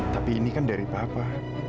tapi ini kan dari papa